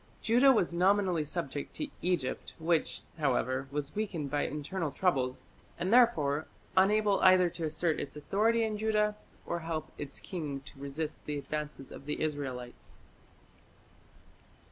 Judah was nominally subject to Egypt, which, however, was weakened by internal troubles, and therefore unable either to assert its authority in Judah or help its king to resist the advance of the Israelites.